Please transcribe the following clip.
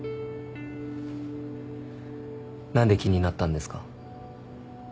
何で気になったんですか？